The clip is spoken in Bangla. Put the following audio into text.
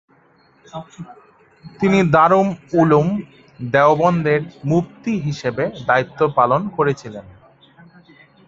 তিনি দারুল উলুম দেওবন্দের মুফতি হিসাবে দায়িত্ব পালন করেছিলেন।